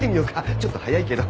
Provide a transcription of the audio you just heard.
ちょっと早いけど。